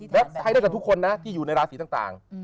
แล้วให้ได้กับทุกคนนะที่อยู่ในราศีต่าง